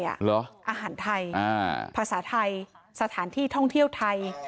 เหรออาหารไทยภาษาไทยสถานที่ท่องเที่ยวไทย